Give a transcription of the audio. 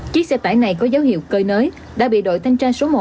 chiếc xe tải này có dấu hiệu cơi nới đã bị đội thanh tra số một